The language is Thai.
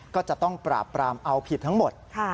ก็จะต้องปราบปรามเอาผิดทั้งหมด